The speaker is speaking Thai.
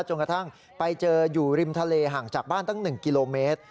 จนกระทั่งไปเจออยู่ริมทะเลห่างจากบ้านตั้ง๑กิโลเมตร